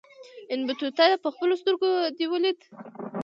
ابن بطوطه پخپلو سترګو دېو ولید.